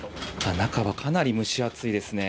中はかなり蒸し暑いですね。